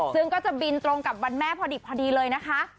ซึ่งก็จะบินตรงกับวันแม่พอดิบพอดีเลยนะคะ